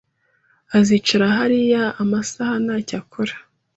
Azicara hariya amasaha ntacyo akora.